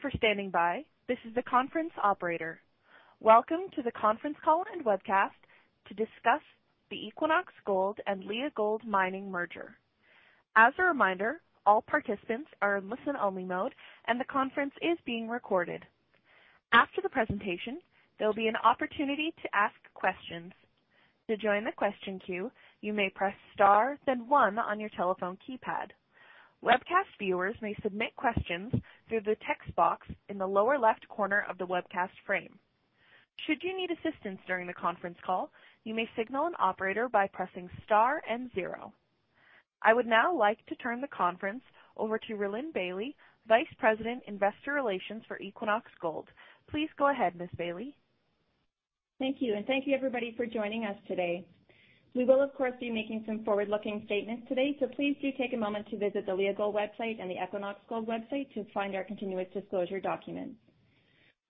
Thank you for standing by. This is the conference operator. Welcome to the conference call and webcast to discuss the Equinox Gold and Leagold Mining merger. As a reminder, all participants are in listen-only mode, and the conference is being recorded. After the presentation, there'll be an opportunity to ask questions. To join the question queue, you may press star then one on your telephone keypad. Webcast viewers may submit questions through the text box in the lower left corner of the webcast frame. Should you need assistance during the conference call, you may signal an operator by pressing star and zero. I would now like to turn the conference over to Rhylin Bailie, Vice President, Investor Relations for Equinox Gold. Please go ahead, Ms. Bailie. Thank you, thank you everybody for joining us today. We will, of course, be making some forward-looking statements today, so please do take a moment to visit the Leagold website and the Equinox Gold website to find our continuous disclosure documents.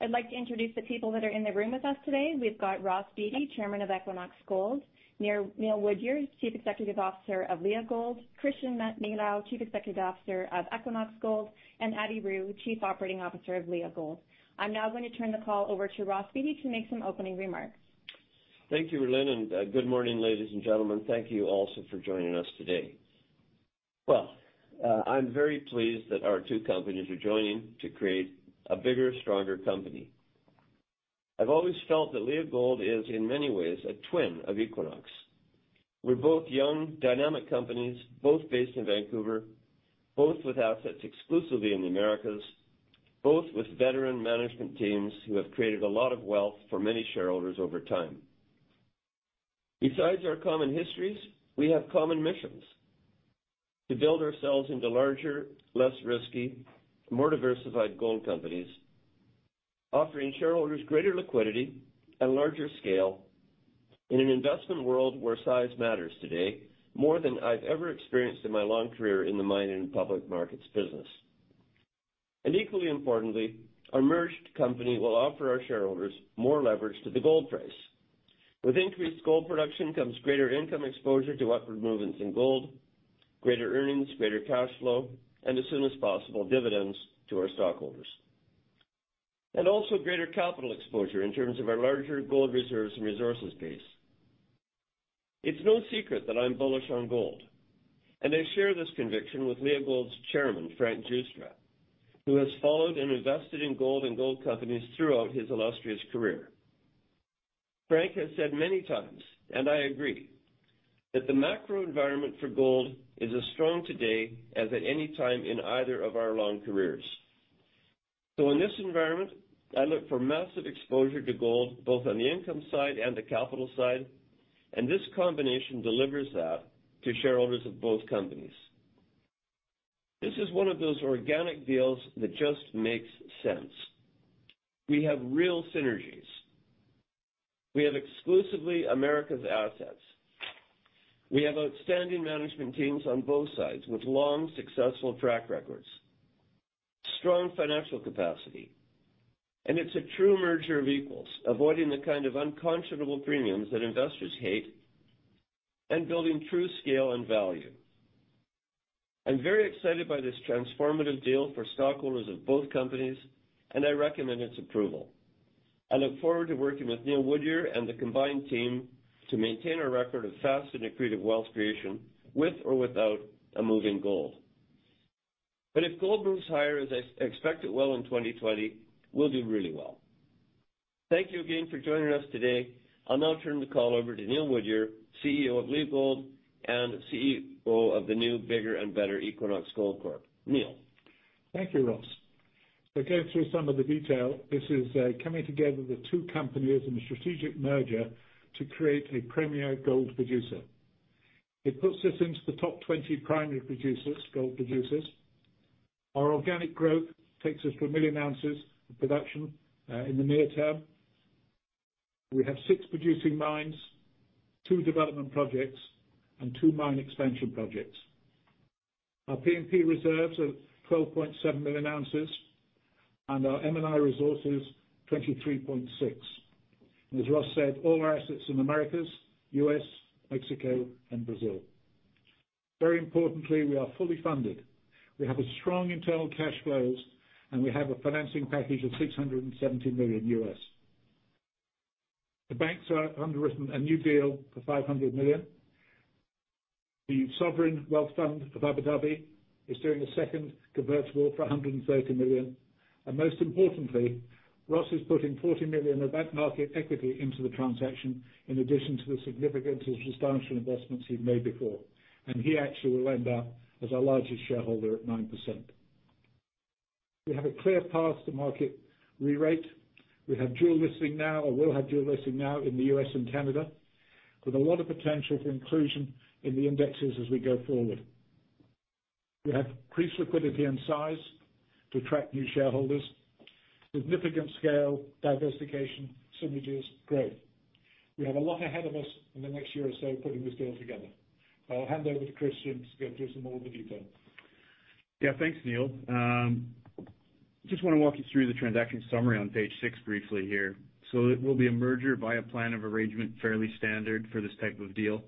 I'd like to introduce the people that are in the room with us today. We've got Ross Beaty, Chairman of Equinox Gold, Neil Woodyer, Chief Executive Officer of Leagold, Christian Milau, Chief Executive Officer of Equinox Gold, and Attie Roux, Chief Operating Officer of Leagold. I'm now going to turn the call over to Ross Beaty to make some opening remarks. Thank you, Rhylin, and good morning, ladies and gentlemen. Thank you also for joining us today. Well, I'm very pleased that our two companies are joining to create a bigger, stronger company. I've always felt that Leagold is, in many ways, a twin of Equinox. We're both young, dynamic companies, both based in Vancouver, both with assets exclusively in the Americas, both with veteran management teams who have created a lot of wealth for many shareholders over time. Besides our common histories, we have common missions to build ourselves into larger, less risky, more diversified gold companies, offering shareholders greater liquidity and larger scale in an investment world where size matters today more than I've ever experienced in my long career in the mining and public markets business. Equally importantly, our merged company will offer our shareholders more leverage to the gold price. With increased gold production comes greater income exposure to upward movements in gold, greater earnings, greater cash flow, and as soon as possible, dividends to our stockholders. Also greater capital exposure in terms of our larger gold reserves and resources base. It's no secret that I'm bullish on gold, and I share this conviction with Leagold's chairman, Frank Giustra, who has followed and invested in gold and gold companies throughout his illustrious career. Frank has said many times, and I agree, that the macro environment for gold is as strong today as at any time in either of our long careers. In this environment, I look for massive exposure to gold both on the income side and the capital side, and this combination delivers that to shareholders of both companies. This is one of those organic deals that just makes sense. We have real synergies. We have exclusively Americas assets. We have outstanding management teams on both sides with long, successful track records, strong financial capacity, and it's a true merger of equals, avoiding the kind of unconscionable premiums that investors hate and building true scale and value. I'm very excited by this transformative deal for stockholders of both companies, and I recommend its approval. I look forward to working with Neil Woodyer and the combined team to maintain our record of fast and accretive wealth creation with or without a move in gold. If gold moves higher, as I expect it will in 2020, we'll do really well. Thank you again for joining us today. I'll now turn the call over to Neil Woodyer, CEO of Leagold and CEO of the new, bigger, and better Equinox Gold Corp. Neil? Thank you, Ross. To go through some of the detail, this is coming together with two companies in a strategic merger to create a premier gold producer. It puts us into the top 20 primary producers, gold producers. Our organic growth takes us to a million ounces of production in the near term. We have six producing mines, two development projects, and two mine expansion projects. Our P&P reserves are 12.7 million ounces, and our M&I resources, 23.6. As Ross said, all our assets in Americas, U.S., Mexico, and Brazil. Very importantly, we are fully funded. We have a strong internal cash flows, and we have a financing package of $670 million. The banks are underwritten a new deal for $500 million. The sovereign wealth fund of Abu Dhabi is doing a second convertible for $130 million. Most importantly, Ross Beaty is putting $40 million of that market equity into the transaction, in addition to the significant substantial investments he'd made before. He actually will end up as our largest shareholder at 9%. We have a clear path to market re-rate. We have dual listing now, or will have dual listing now in the U.S. and Canada, with a lot of potential for inclusion in the indexes as we go forward. We have increased liquidity and size to attract new shareholders, significant scale, diversification, synergies, growth. We have a lot ahead of us in the next year or so putting this deal together. I'll hand over to Christian Milau to go through some more of the detail. Yeah. Thanks, Neil. Just want to walk you through the transaction summary on page six briefly here. It will be a merger by a plan of arrangement, fairly standard for this type of deal.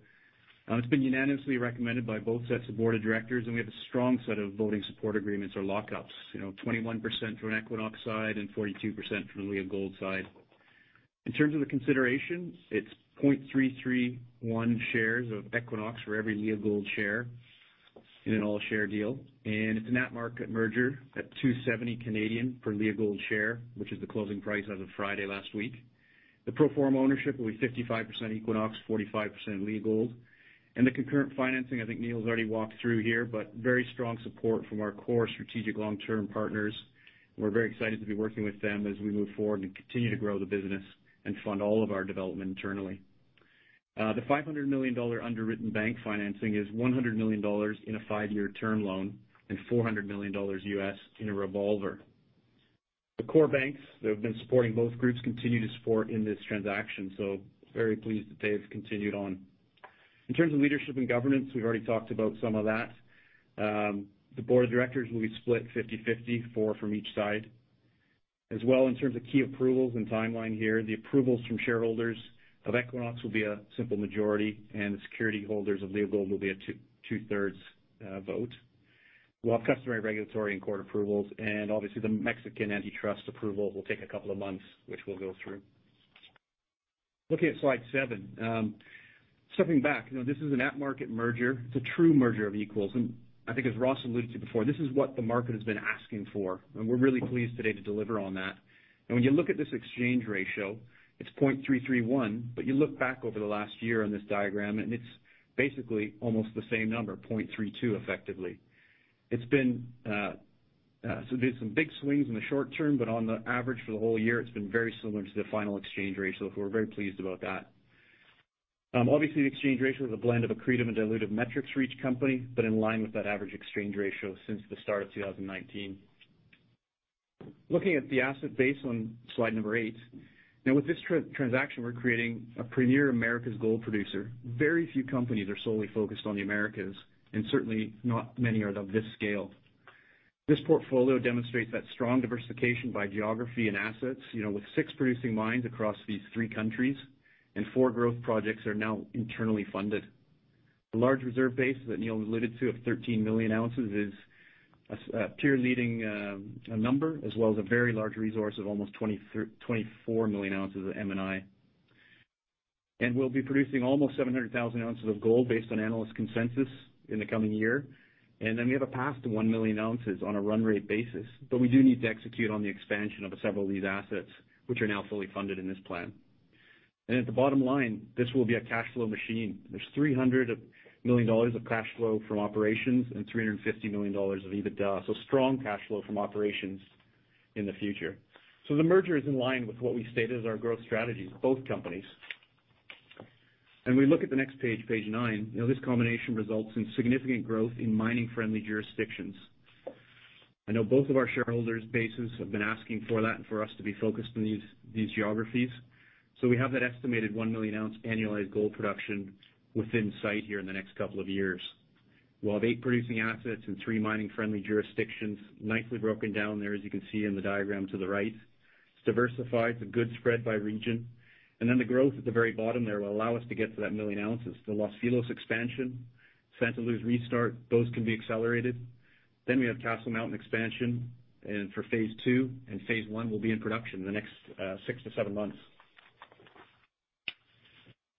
It's been unanimously recommended by both sets of board of directors, and we have a strong set of voting support agreements or lockups. 21% from Equinox side and 42% from the Leagold side. In terms of the consideration, it's 0.331 shares of Equinox for every Leagold share in an all-share deal, and it's an at-market merger at 2.70 per Leagold share, which is the closing price as of Friday last week. The pro forma ownership will be 55% Equinox, 45% Leagold. The concurrent financing, I think Neil's already walked through here, but very strong support from our core strategic long-term partners. We're very excited to be working with them as we move forward and continue to grow the business and fund all of our development internally. The $500 million underwritten bank financing is $100 million in a five-year term loan and $400 million U.S. in a revolver. The core banks that have been supporting both groups continue to support in this transaction. Very pleased that they have continued on. In terms of leadership and governance, we've already talked about some of that. The board of directors will be split 50/50, four from each side. In terms of key approvals and timeline here, the approvals from shareholders of Equinox will be a simple majority, and the security holders of Leagold will be a two-thirds vote. We'll have customary regulatory and court approvals, and obviously, the Mexican antitrust approval will take a couple of months, which we'll go through. Looking at slide seven. Stepping back, this is an at-market merger. It's a true merger of equals. I think as Ross alluded to before, this is what the market has been asking for, and we're really pleased today to deliver on that. When you look at this exchange ratio, it's 0.331, but you look back over the last year on this diagram, and it's basically almost the same number, 0.32 effectively. There's some big swings in the short term, but on the average for the whole year, it's been very similar to the final exchange ratio, so we're very pleased about that. Obviously, the exchange ratio is a blend of accretive and dilutive metrics for each company, but in line with that average exchange ratio since the start of 2019. Looking at the asset base on slide number eight. With this transaction, we're creating a premier Americas gold producer. Very few companies are solely focused on the Americas, and certainly not many are of this scale. This portfolio demonstrates that strong diversification by geography and assets, with 6 producing mines across these 3 countries and 4 growth projects are now internally funded. The large reserve base that Neil alluded to of 13 million ounces is a peer-leading number, as well as a very large resource of almost 24 million ounces of M&I. We'll be producing almost 700,000 ounces of gold based on analyst consensus in the coming year. We have a path to 1 million ounces on a run rate basis. We do need to execute on the expansion of several of these assets, which are now fully funded in this plan. At the bottom line, this will be a cash flow machine. There's $300 million of cash flow from operations and $350 million of EBITDA, so strong cash flow from operations in the future. The merger is in line with what we stated as our growth strategies, both companies. We look at the next page nine. This combination results in significant growth in mining-friendly jurisdictions. I know both of our shareholders' bases have been asking for that and for us to be focused on these geographies. We have that estimated 1 million ounce annualized gold production within sight here in the next couple of years. We'll have eight producing assets in three mining-friendly jurisdictions, nicely broken down there, as you can see in the diagram to the right. It's diversified, it's a good spread by region. The growth at the very bottom there will allow us to get to that million ounces. The Los Filos expansion, Santa Luz restart, those can be accelerated. We have Castle Mountain expansion, and for phase 2 and phase 1 will be in production in the next six to seven months.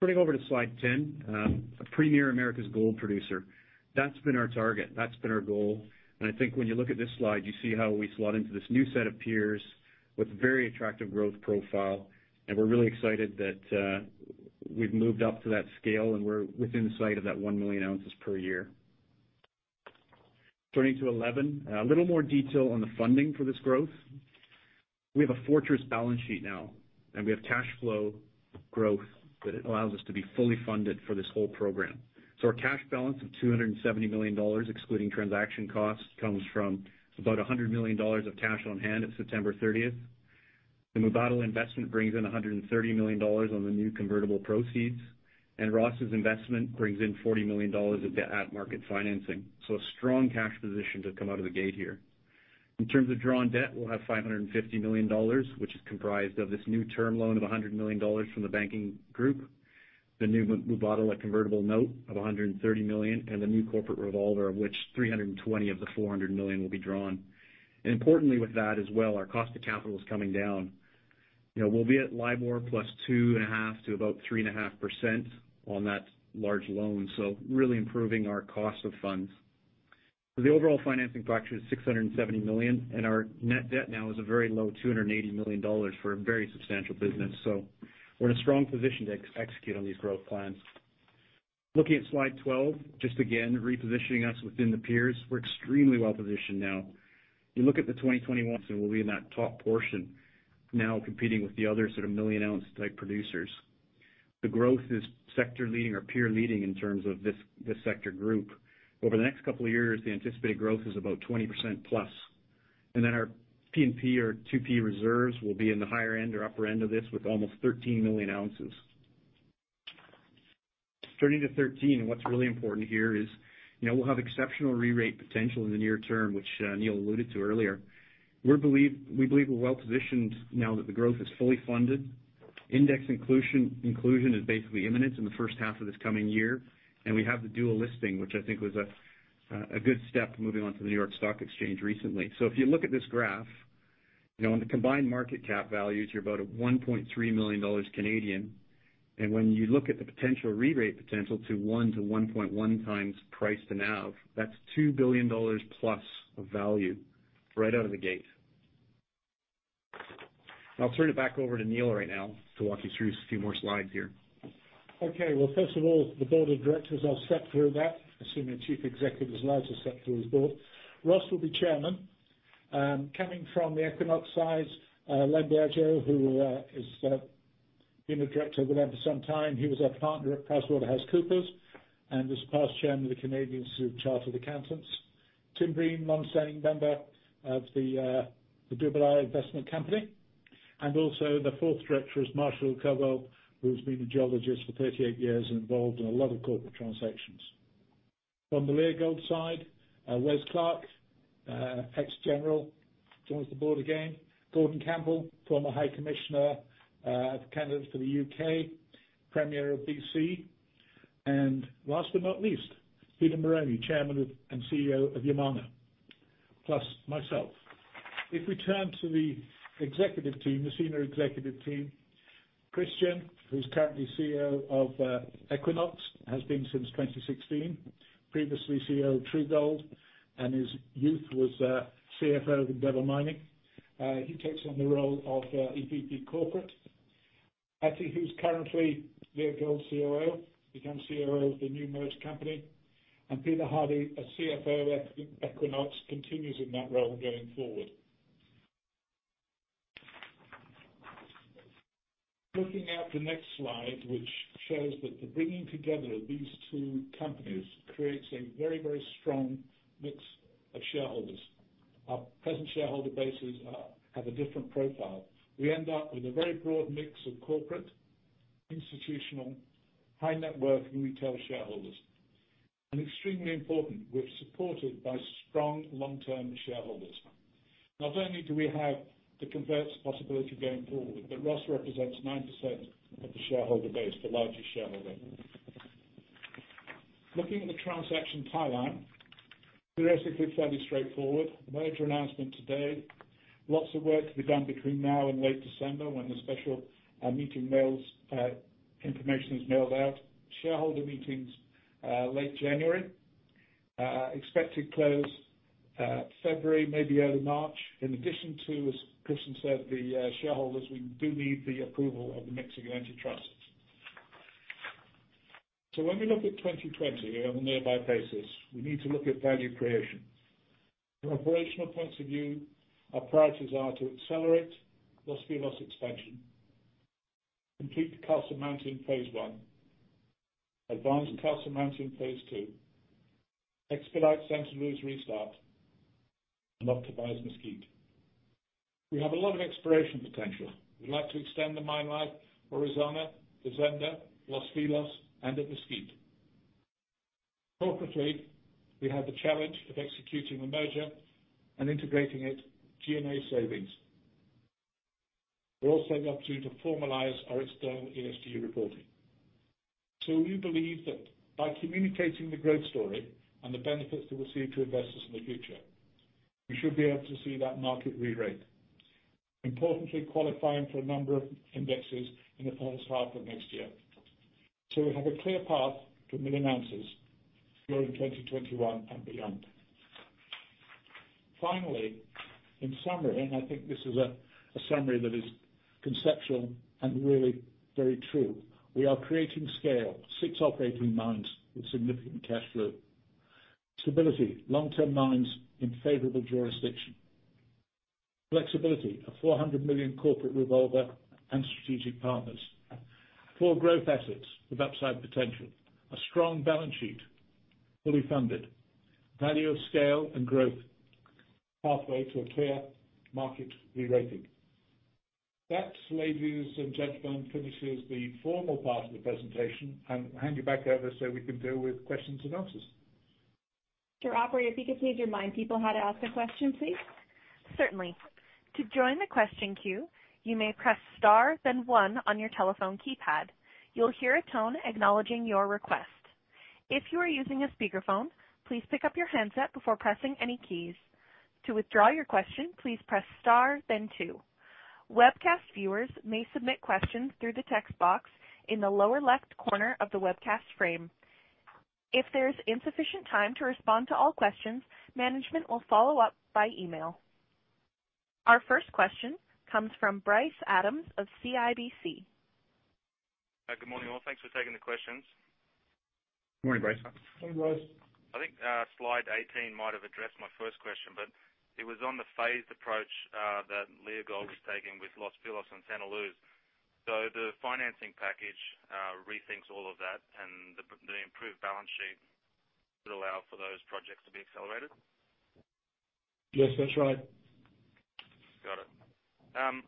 Turning over to slide 10. A premier Americas gold producer. That's been our target. That's been our goal. I think when you look at this slide, you see how we slot into this new set of peers with very attractive growth profile, and we're really excited that we've moved up to that scale and we're within sight of that 1 million ounces per year. Turning to 11. A little more detail on the funding for this growth. We have a fortress balance sheet now, and we have cash flow growth that allows us to be fully funded for this whole program. Our cash balance of $270 million, excluding transaction costs, comes from about $100 million of cash on hand at September 30th. The Mubadala Investment brings in $130 million on the new convertible proceeds, and Ross's investment brings in $40 million of at-market financing. A strong cash position to come out of the gate here. In terms of drawn debt, we'll have $550 million, which is comprised of this new term loan of $100 million from the banking group, the new Mubadala convertible note of $130 million, and the new corporate revolver, of which $320 million of the $400 million will be drawn. Importantly with that as well, our cost of capital is coming down. We'll be at LIBOR plus 2.5% to about 3.5% on that large loan. Really improving our cost of funds. The overall financing factor is $670 million, and our net debt now is a very low $280 million for a very substantial business. We're in a strong position to execute on these growth plans. Looking at slide 12, just again, repositioning us within the peers. We're extremely well-positioned now. You look at the 2021, we'll be in that top portion now competing with the other sort of million ounce type producers. The growth is sector leading or peer leading in terms of this sector group. Over the next couple of years, the anticipated growth is about 20% plus. Our P&P or 2P reserves will be in the higher end or upper end of this with almost 13 million ounces. Turning to 13, what's really important here is, we'll have exceptional re-rate potential in the near term, which Neil alluded to earlier. We believe we're well-positioned now that the growth is fully funded Index inclusion is basically imminent in the first half of this coming year. We have the dual listing, which I think was a good step moving on to the New York Stock Exchange recently. If you look at this graph, on the combined market cap values, you're about at 1.3 million Canadian dollars. When you look at the potential re-rate potential to 1 to 1.1 times price to NAV, that's $2 billion-plus of value right out of the gate. I'll turn it back over to Neil right now to walk you through a few more slides here. Okay. Well, first of all, the Board of Directors, I've stepped through that. Assuming a Chief Executive is allowed to step through his Board. Ross will be Chairman. Coming from the Equinox side, Len Boggio, who has been a Director over there for some time. He was a partner at PricewaterhouseCoopers and was past Chairman of the Canadian Chartered Accountants. Also, the fourth Director is Marshall Koval, who's been a geologist for 38 years and involved in a lot of corporate transactions. From the Leagold side, Wes Clark, ex-general, joins the Board again. Gordon Campbell, former High Commissioner of Canada to the U.K., Premier of B.C. Last but not least, Peter Marrone, Chairman and CEO of Yamana, plus myself. If we turn to the executive team, the senior executive team, Christian, who's currently CEO of Equinox, has been since 2016, previously CEO of True Gold, and his youth was CFO of Endeavour Mining. He takes on the role of EVP corporate. Attie, who's currently Leagold COO, becomes COO of the new merged company. Peter Hardie, a CFO at Equinox, continues in that role going forward. Looking at the next slide, which shows that the bringing together of these two companies creates a very strong mix of shareholders. Our present shareholder bases have a different profile. We end up with a very broad mix of corporate, institutional, high-net worth, and retail shareholders. Extremely important, we're supported by strong long-term shareholders. Not only do we have the converts possibility going forward, but Ross represents 90% of the shareholder base, the largest shareholder. Looking at the transaction timeline, theoretically, fairly straightforward. The merger announcement today. Lots of work to be done between now and late December when the special meeting information is mailed out. Shareholder meetings late January. Expected close February, maybe early March. In addition to, as Christian said, the shareholders, we do need the approval of the Mexican antitrust. When we look at 2020 on a nearby basis, we need to look at value creation. From an operational point of view, our priorities are to accelerate Los Filos expansion, complete the Castle Mountain phase 1, advance Castle Mountain phase 2, expedite Santa Luz restart, and optimize Mesquite. We have a lot of exploration potential. We'd like to extend the mine life, Aurizona, Fazenda, Los Filos, and at Mesquite. Corporately, we have the challenge of executing a merger and integrating it, G&A savings. We also have the opportunity to formalize our external ESG reporting. We believe that by communicating the growth story and the benefits that we see to investors in the future, we should be able to see that market re-rate. Importantly, qualifying for a number of indexes in the first half of next year. We have a clear path to 1 million ounces growing 2021 and beyond. Finally, in summary, I think this is a summary that is conceptual and really very true. We are creating scale, six operating mines with significant cash flow. Stability, long-term mines in favorable jurisdiction. Flexibility, a $400 million corporate revolver and strategic partners. Four growth assets with upside potential. A strong balance sheet, fully funded. Value of scale and growth, pathway to a clear market re-rating. That, ladies and gentlemen, finishes the formal part of the presentation. I'll hand you back over so we can deal with questions and answers. Operator, if you could please remind people how to ask a question, please. Certainly. To join the question queue, you may press star then one on your telephone keypad. You'll hear a tone acknowledging your request. If you are using a speakerphone, please pick up your handset before pressing any keys. To withdraw your question, please press star then two. Webcast viewers may submit questions through the text box in the lower left corner of the webcast frame. If there is insufficient time to respond to all questions, management will follow up by email. Our first question comes from Bryce Adams of CIBC. Good morning, all. Thanks for taking the questions. Morning, Bryce. I think slide 18 might have addressed my first question, but it was on the phased approach that Leagold was taking with Los Filos and Santa Luz. The financing package rethinks all of that and the improved balance sheet would allow for those projects to be accelerated? Yes, that's right. Got it.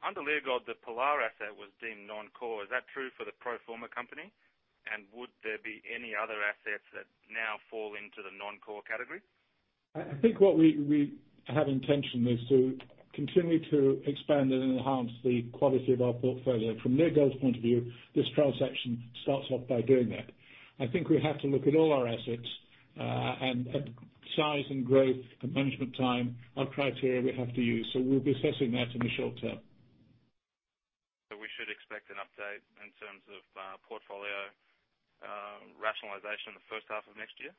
Under Leagold, the Pilar asset was deemed non-core. Is that true for the pro forma company? Would there be any other assets that now fall into the non-core category? I think what we have intention is to continue to expand and enhance the quality of our portfolio. From Leagold's point of view, this transaction starts off by doing that. I think we have to look at all our assets and at size and growth and management time are criteria we have to use, so we'll be assessing that in the short term. We should expect an update in terms of portfolio rationalization in the first half of next year?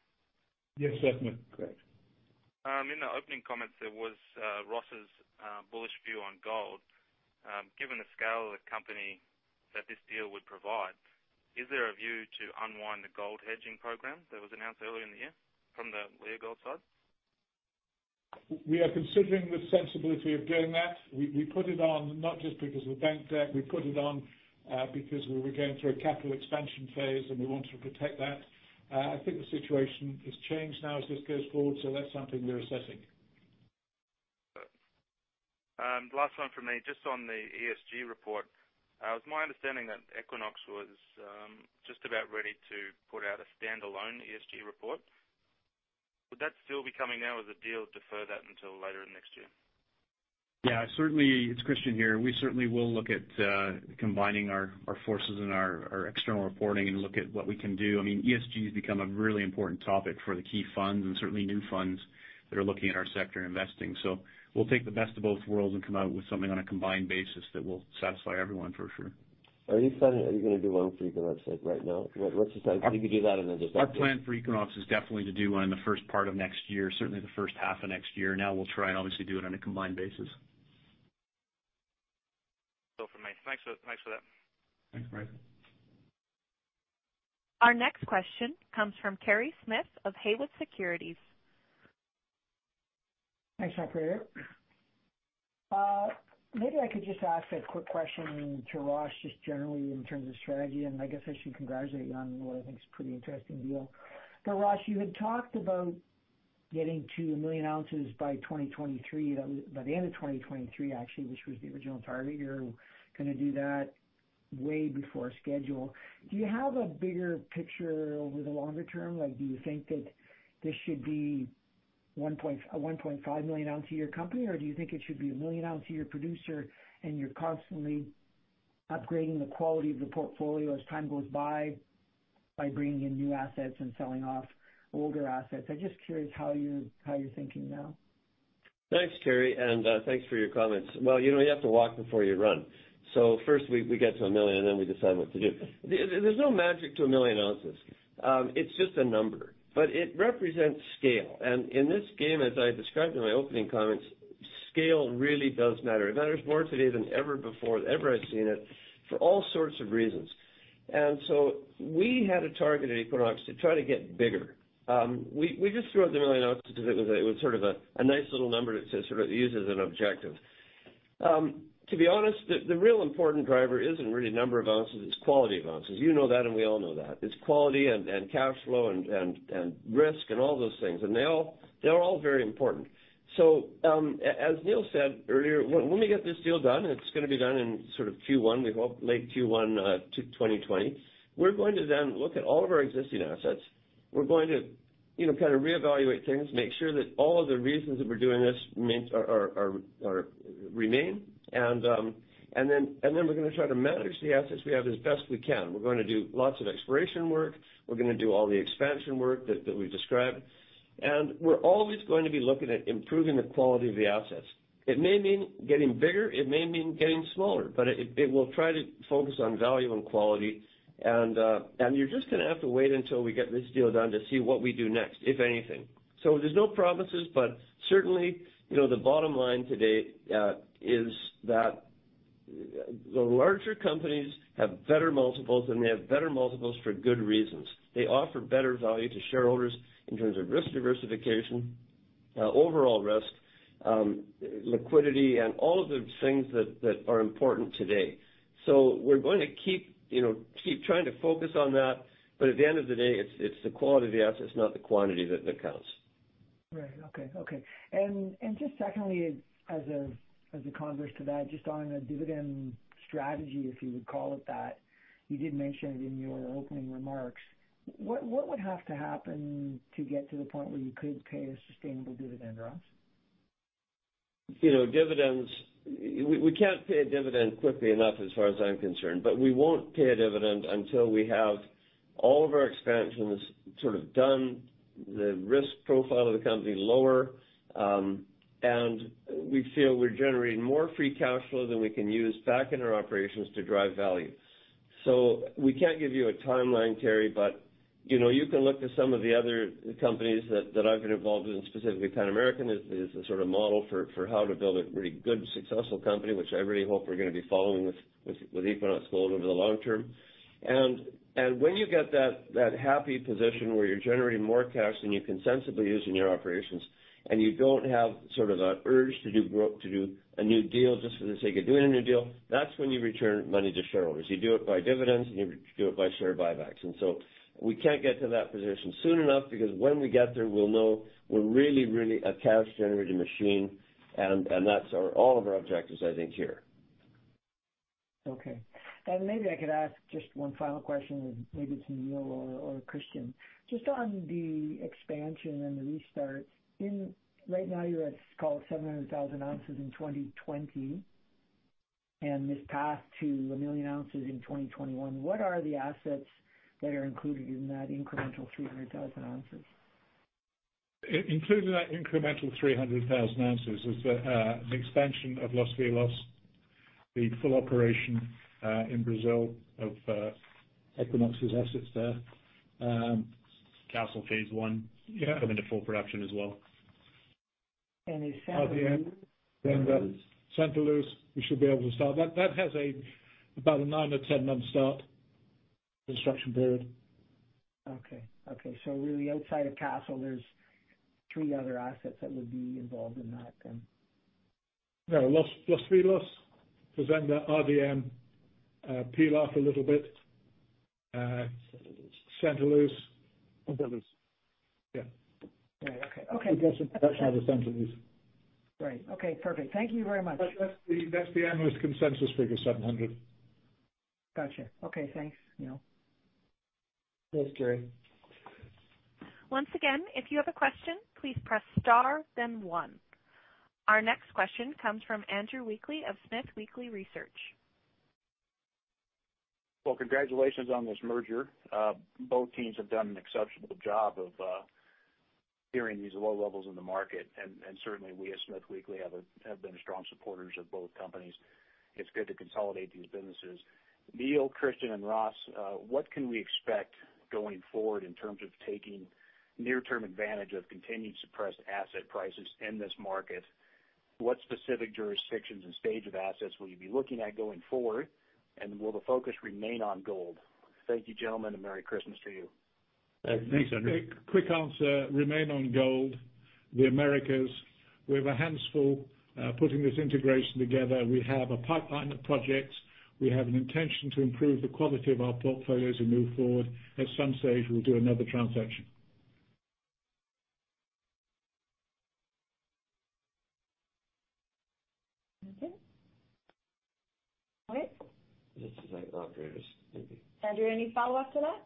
Yes, certainly. Correct. In the opening comments, there was Ross's bullish view on gold. Given the scale of the company that this deal would provide, is there a view to unwind the gold hedging program that was announced earlier in the year from the Leagold side? We are considering the sensibility of doing that. We put it on not just because of bank debt. We put it on because we were going through a capital expansion phase, and we wanted to protect that. I think the situation has changed now as this goes forward. That's something we're assessing. Good. Last one from me, just on the ESG report. It was my understanding that Equinox was just about ready to put out a standalone ESG report. Would that still be coming now or the deal defer that until later in next year? Yeah, certainly. It's Christian here. We certainly will look at combining our forces and our external reporting and look at what we can do. ESG has become a really important topic for the key funds and certainly new funds that are looking at our sector investing. We'll take the best of both worlds and come out with something on a combined basis that will satisfy everyone for sure. Are you saying, are you going to do one for Equinox, like right now? What's the time? You could do that. Our plan for Equinox is definitely to do one in the first part of next year, certainly the first half of next year. We'll try and obviously do it on a combined basis. All for me. Thanks for that. Thanks, Bryce. Our next question comes from Kerry Smith of Haywood Securities. Thanks, operator. Maybe I could just ask a quick question to Ross, just generally in terms of strategy, and I guess I should congratulate you on what I think is a pretty interesting deal. Ross, you had talked about getting to 1 million ounces by 2023, by the end of 2023 actually, which was the original target. You're going to do that way before schedule. Do you have a bigger picture over the longer term? Do you think that this should be a 1.5 million-ounce a year company, or do you think it should be a 1 million-ounce a year producer and you're constantly upgrading the quality of the portfolio as time goes by bringing in new assets and selling off older assets? I'm just curious how you're thinking now. Thanks, Kerry. Thanks for your comments. Well, you have to walk before you run. First we get to 1 million, and then we decide what to do. There's no magic to 1 million ounces. It's just a number, but it represents scale, and in this game, as I described in my opening comments, scale really does matter. It matters more today than ever before, than ever I've seen it, for all sorts of reasons. We had a target at Equinox to try to get bigger. We just threw out the 1 million ounces because it was sort of a nice little number to sort of use as an objective. To be honest, the real important driver isn't really number of ounces, it's quality of ounces. You know that, and we all know that. It's quality and cash flow and risk and all those things, and they all are very important. As Neil said earlier, when we get this deal done, it's going to be done in sort of Q1, we hope late Q1 2020. We're going to look at all of our existing assets. We're going to reevaluate things, make sure that all of the reasons that we're doing this remain, and then we're going to try to manage the assets we have as best we can. We're going to do lots of exploration work. We're going to do all the expansion work that we've described, and we're always going to be looking at improving the quality of the assets. It may mean getting bigger, it may mean getting smaller, but it will try to focus on value and quality and, you're just going to have to wait until we get this deal done to see what we do next, if anything. There's no promises, but certainly, the bottom line today is that the larger companies have better multiples, and they have better multiples for good reasons. They offer better value to shareholders in terms of risk diversification, overall risk, liquidity, and all of the things that are important today. We're going to keep trying to focus on that. At the end of the day, it's the quality of the assets, not the quantity that counts. Right. Okay. Just secondly, as a converse to that, just on a dividend strategy, if you would call it that, you did mention it in your opening remarks. What would have to happen to get to the point where you could pay a sustainable dividend to us? Dividends, we can't pay a dividend quickly enough as far as I'm concerned. We won't pay a dividend until we have all of our expansions sort of done, the risk profile of the company lower, and we feel we're generating more free cash flow than we can use back in our operations to drive value. We can't give you a timeline, Kerry. You can look to some of the other companies that I've been involved in, specifically Pan American is a sort of model for how to build a pretty good, successful company, which I really hope we're going to be following with Equinox Gold over the long term. When you get that happy position where you're generating more cash than you can sensibly use in your operations and you don't have sort of the urge to do a new deal just for the sake of doing a new deal, that's when you return money to shareholders. You do it by dividends, and you do it by share buybacks. We can't get to that position soon enough because when we get there, we'll know we're really a cash-generating machine, and that's all of our objectives, I think, here. Okay. Maybe I could ask just one final question, maybe to Neil or Christian. Just on the expansion and the restarts, right now you're at, call it 700,000 ounces in 2020, and this path to 1 million ounces in 2021. What are the assets that are included in that incremental 300,000 ounces? Included in that incremental 300,000 ounces is the expansion of Los Filos, the full operation in Brazil of Equinox's assets there. Castle phase I. Yeah coming to full production as well. Is Santa Luz? The Santa Luz, we should be able to start. That has about a 9-12 month start construction period. Okay. Really outside of Castle, there's three other assets that would be involved in that then? No, Los Filos, Fazenda, RDM, Pilar a little bit. Santa Luz. Santa Luz. Santa Luz. Yeah. Yeah. Okay. We'll get it back out of Santa Luz. Great. Okay, perfect. Thank you very much. That's the annual consensus figure, 700. Got you. Okay, thanks, Neil. Thanks, Kerry. Once again, if you have a question, please press star then one. Our next question comes from Andrew Weekly of SmithWeekly Research. Congratulations on this merger. Both teams have done an exceptional job of enduring these low levels in the market, and certainly we at SmithWeekly have been strong supporters of both companies. It's good to consolidate these businesses. Neil, Christian, and Ross, what can we expect going forward in terms of taking near-term advantage of continued suppressed asset prices in this market? What specific jurisdictions and stage of assets will you be looking at going forward, and will the focus remain on gold? Thank you, gentlemen, and merry Christmas to you. Thanks, Andrew. Quick answer, remain on gold. The Americas, we have our hands full putting this integration together. We have a pipeline of projects. We have an intention to improve the quality of our portfolios as we move forward. At some stage, we'll do another transaction. Okay. All right. This is like operators. Thank you. Andrew, any follow-up to that?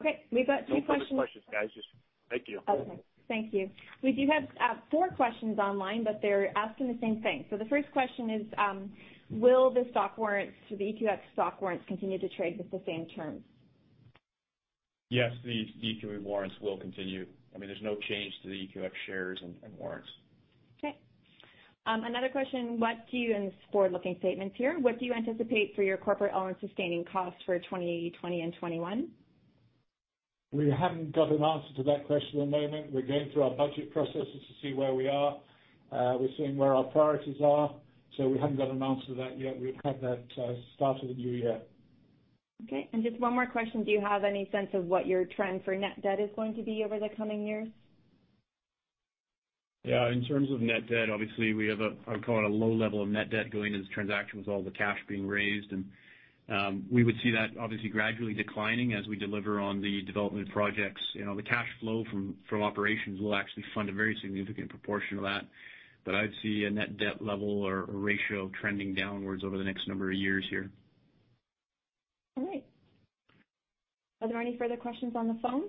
Okay, we've got three questions. No further questions, guys, just thank you. Okay, thank you. We do have four questions online. They're asking the same thing. The first question is, will the stock warrants, the EQX stock warrants, continue to trade with the same terms? Yes, the EQ warrants will continue. There's no change to the EQX shares and warrants. Okay. Another question. This is forward-looking statements here. What do you anticipate for your corporate owned sustaining costs for 2020 and 2021? We haven't got an answer to that question at the moment. We're going through our budget processes to see where we are. We're seeing where our priorities are. We haven't got an answer to that yet. We'll have that start of the new year. Okay, just one more question. Do you have any sense of what your trend for net debt is going to be over the coming years? Yeah, in terms of net debt, obviously we have, I'd call it, a low level of net debt going into this transaction with all the cash being raised, and we would see that obviously gradually declining as we deliver on the development projects. The cash flow from operations will actually fund a very significant proportion of that. I'd see a net debt level or ratio trending downwards over the next number of years here. All right. Are there any further questions on the phone?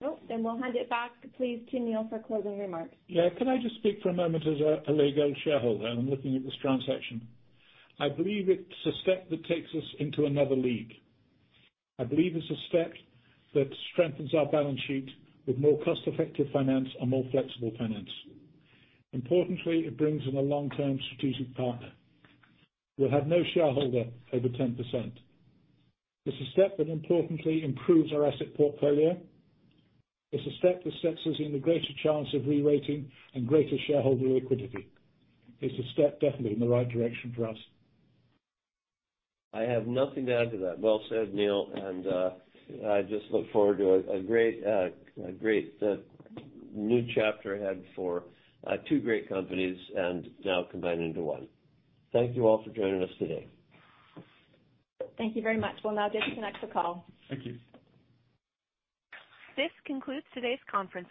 Nope, we'll hand it back, please, to Neil for closing remarks. Yeah, can I just speak for a moment as a legal shareholder, and I'm looking at this transaction. I believe it's a step that takes us into another league. I believe it's a step that strengthens our balance sheet with more cost-effective finance and more flexible finance. Importantly, it brings in a long-term strategic partner. We'll have no shareholder over 10%. It's a step that importantly improves our asset portfolio. It's a step that sets us in a greater chance of re-rating and greater shareholder liquidity. It's a step definitely in the right direction for us. I have nothing to add to that. Well said, Neil. I just look forward to a great new chapter ahead for two great companies and now combined into one. Thank you all for joining us today. Thank you very much. We will now disconnect the call. Thank you. This concludes today's conference.